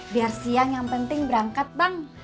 biar siang yang penting berangkat bang